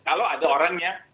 kalau ada orangnya